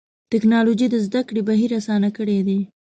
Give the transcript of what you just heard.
ټکنالوجي د زدهکړې بهیر آسانه کړی دی.